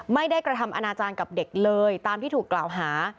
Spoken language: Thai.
ไม่ได้กระทำอนาจารย์กับเด็กเลยตามที่ถูกกล่าวหา